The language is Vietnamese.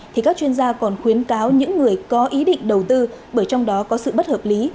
thì các chuyên gia còn khuyến cáo những người có ý định đầu tư bởi trong đó có sự bất hợp lý